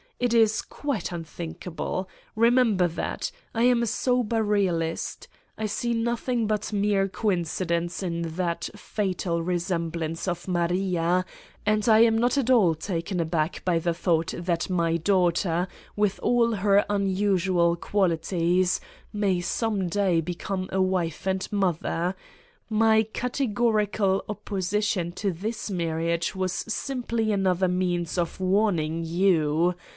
It is quite unthinkable. Bemem 122 Satan's Diary her that. I am a sober realist : I see nothing but mere coincidence in that fatal resemblance of Maria and I am not at all taken aback by the thought that my daughter, with all her unusual qualities, may some day become a wife and mother. ... My categorical opposition to this marriage was simply another means of warning you.